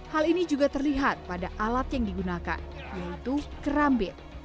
hal ini juga terlihat pada alat yang digunakan yaitu kerambit